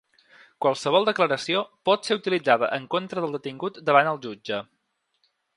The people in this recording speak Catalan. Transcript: Qualsevol declaració pot ser utilitzada en contra del detingut davant el jutge.